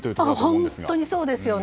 本当にそうですよね。